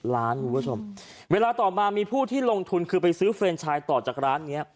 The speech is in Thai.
๓๐ล้านเวลาต่อมามีผู้ที่รงทุนไปซื้อเฟรนชายต่อจากร้านนี้